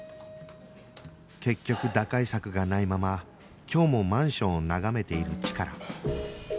結局打開策がないまま今日もマンションを眺めているチカラ